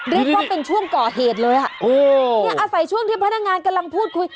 เรียกว่าเป็นช่วงก่อเหตุเลยอ่ะโอ้เนี่ยอาศัยช่วงที่พนักงานกำลังพูดคุย